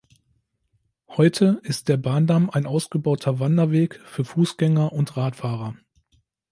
Heute ist der Bahndamm ein ausgebauter Wanderweg für Fußgänger und Radfahrer.